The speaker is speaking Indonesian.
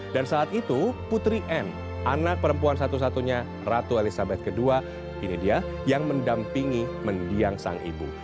dan saat itu putri anne anak perempuan satu satunya ratu elisabeth ii ini dia yang mendampingi mendiang sang ibu